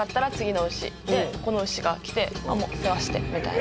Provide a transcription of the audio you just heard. でこの牛が来て「世話して」みたいな。